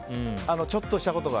ちょっとしたことが。